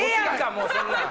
もうそんなん。